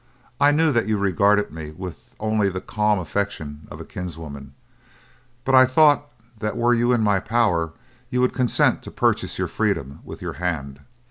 I knew that you regarded me with only the calm affection of a kinswoman; but I thought that were you in my power you would consent to purchase your freedom with your hand.